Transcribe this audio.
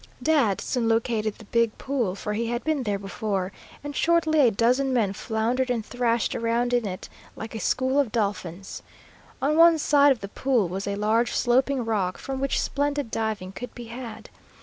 Dad soon located the big pool, for he had been there before, and shortly a dozen men floundered and thrashed around in it like a school of dolphins. On one side of the pool was a large sloping rock, from which splendid diving could be had.